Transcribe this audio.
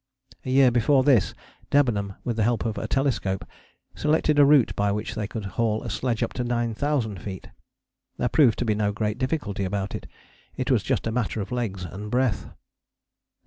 A year before this Debenham, with the help of a telescope, selected a route by which they could haul a sledge up to 9000 feet. There proved to be no great difficulty about it; it was just a matter of legs and breath.